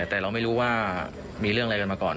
แต่เราไม่รู้ว่ามีเรื่องอะไรกันมาก่อน